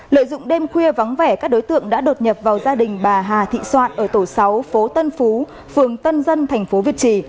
lợi dụng đêm khuya vắng vẻ các đối tượng đã đột nhập vào gia đình bà hà thị soạn ở tổ sáu phố tân phú phường tân dân thành phố việt trì